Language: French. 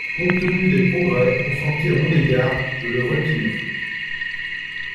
Compte tenu des progrès consentis à mon égard, je le retire.